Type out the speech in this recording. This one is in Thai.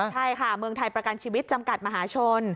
ใช่ค่ะเมืองไทยประกันชีวิตจำกัดมหาชน